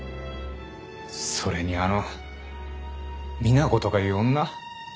それにあの美奈子とかいう女。